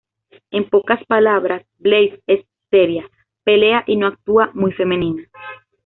En pocas palabras, Blaze es seria, pelea y no actúa muy femenina.